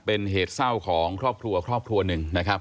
เป็นเหตุเศร้าของครอบครัวครอบครัวหนึ่งนะครับ